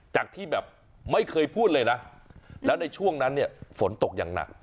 จากที่แบบไม่เคยพูดเลยนะแล้วในช่วงนั้นเนี่ยฝนตกอย่างหนัก